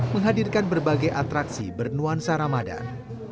menghadirkan berbagai atraksi bernuansa ramadan